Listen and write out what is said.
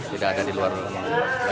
tidak ada di luar rumah